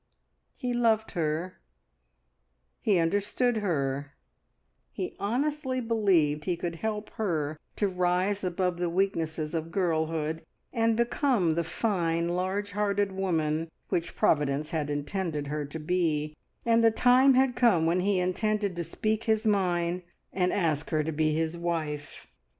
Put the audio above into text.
He loved her; he understood her; he honestly believed he could help her to rise above the weaknesses of girlhood, and become the fine large hearted woman which Providence had intended her to be; and the time had come when he intended to speak his mind and ask her to be his wife.